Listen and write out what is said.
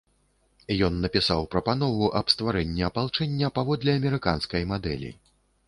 Ён напісаў прапанову аб стварэнні апалчэння паводле амерыканскай мадэлі.